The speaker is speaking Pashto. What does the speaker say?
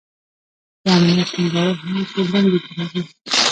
د امنیت ټینګول هم په دندو کې راځي.